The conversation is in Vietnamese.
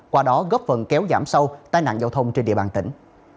qua đó góp phần kéo giảm sâu tai nạn giao thông trên địa bàn tỉnh